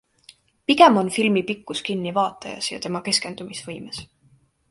Pigem on filmi pikkus kinni vaatajas ja tema keskendumisvõimes.